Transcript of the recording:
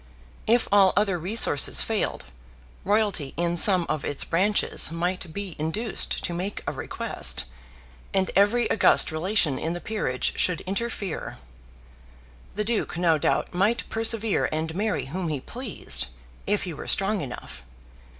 If all other resources failed, royalty in some of its branches might be induced to make a request, and every august relation in the peerage should interfere. The Duke no doubt might persevere and marry whom he pleased, if he were strong enough.